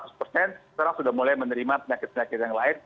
sekarang sudah mulai menerima penyakit penyakit yang lain